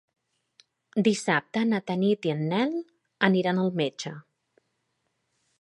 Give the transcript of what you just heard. Dissabte na Tanit i en Nel aniran al metge.